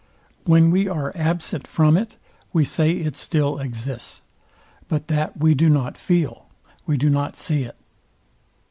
When we are absent from it, we say it still exists, but that we do not feel, we do not see it.